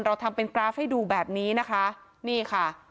เราทำเป็นกราฟให้ดูแบบนี้นะคะ